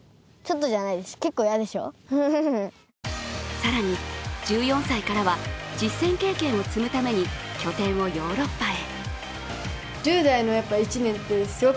更に、１４歳からは実戦経験を積むために拠点をヨーロッパへ。